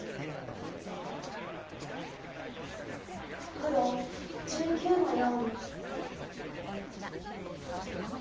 黒１９の四。